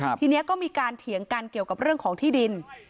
ทีนี้ก็มีการเถียงกันเกี่ยวกับเรื่องของที่ดิน